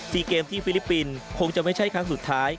เกมที่ฟิลิปปินส์คงจะไม่ใช่ครั้งสุดท้าย